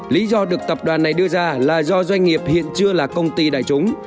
lý do được tập đoàn này đưa ra là do doanh nghiệp hiện chưa là công ty đại chúng